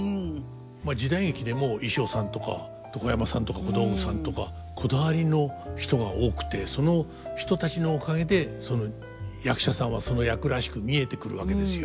時代劇でも衣装さんとか床山さんとか小道具さんとかこだわりの人が多くてその人たちのおかげで役者さんはその役らしく見えてくるわけですよ。